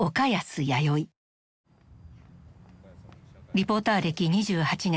リポーター歴２８年。